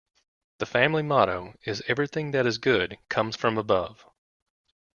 The family motto is 'Everything that is good comes from above'.